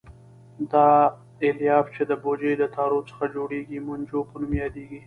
دا الیاف چې د بوجۍ له تارو څخه جوړېږي مونجو په نوم یادیږي.